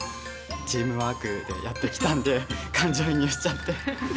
チームワークでやってきたんで感情移入しちゃって。